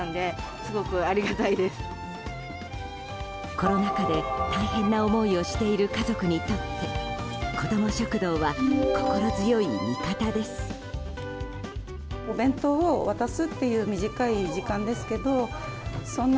コロナ禍で、大変な思いをしている家族にとって子ども食堂は心強い味方です。